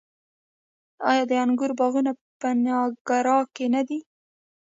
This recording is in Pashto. آیا د انګورو باغونه په نیاګرا کې نه دي؟